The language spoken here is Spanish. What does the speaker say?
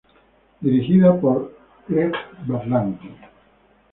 Dirigida por Greg Berlanti.